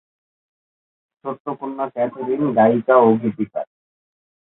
ছোট কন্যা ক্যাথরিন গায়িকা ও গীতিকার।